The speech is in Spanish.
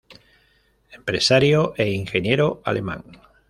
Empresario e ingeniero alemán.